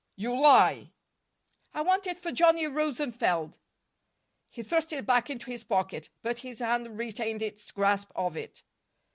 "You lie." "I want it for Johnny Rosenfeld." He thrust it back into his pocket, but his hand retained its grasp of it.